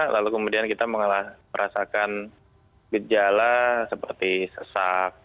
lalu kemudian kita merasakan gejala seperti sesak